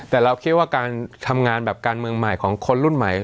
แต่เราคิดว่าการทำงานแบบการเมืองใหม่ของคนรุ่นใหม่